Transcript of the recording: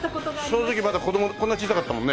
その時まだ子供こんな小さかったもんね。